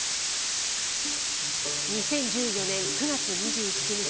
２０１４年９月２７日。